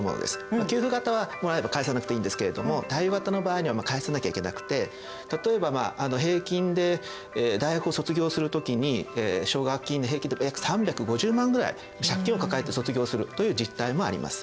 給付型はもらえば返さなくていいんですけれども貸与型の場合には返さなきゃいけなくて例えば平均で大学を卒業するときに奨学金で平均で約３５０万ぐらい借金を抱えて卒業するという実態もあります。